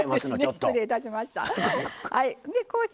失礼いたしました。